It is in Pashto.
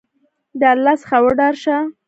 د الله څخه وډار شه !